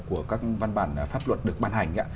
của các văn bản pháp luật được bàn hành